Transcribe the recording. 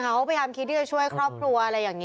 พยายามคิดค่อยช่วยครอบครัว